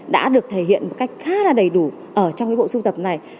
đã được thể hiện một cách khá là đầy đủ trong bộ sưu tập này